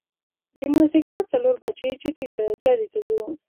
د مازدیګر څلور بجې جدې ته ځو.